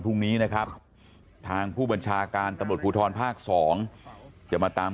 พรุ่งนี้นะครับทางผู้บัญชาการตำรวจภูทรภาค๒จะมาตาม